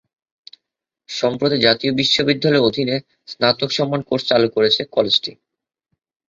সম্প্রতি জাতীয় বিশ্ববিদ্যালয়ের অধিনে স্নাতক সম্মান কোর্স চালু করেছে কলেজটি।